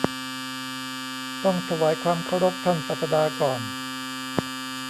ต้องถวายความเคารพท่านศาสดาก่อน